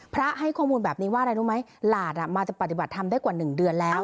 ให้ข้อมูลแบบนี้ว่าอะไรรู้ไหมหลานมาจะปฏิบัติธรรมได้กว่า๑เดือนแล้ว